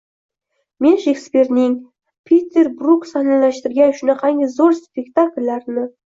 — Men Shekspirning Piter Bruk sahnalashtirgan shunaqangi zo‘r spektakllarini